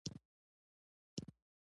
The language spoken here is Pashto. د شېرمحمد سر وځړېد.